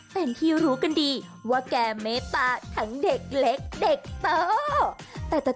แฟนที่รู้กันดีว่าแกไม่ปากทั้งเด็กเล็กเด็กเต้า